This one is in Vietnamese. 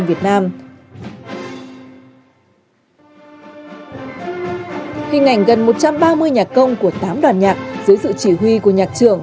hình ảnh gần một trăm ba mươi nhạc công của tám đoàn nhạc dưới sự chỉ huy của nhạc trưởng